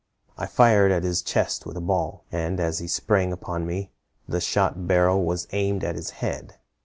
I fired at his chest with a ball, and as he sprang upon me, the shot barrel was aimed at his head.